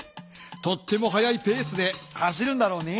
とっても速いペイスで走るんだろうね。